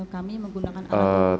kami menggunakan alat ukur